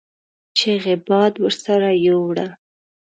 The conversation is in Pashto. چيغه باد ورسره يو وړه.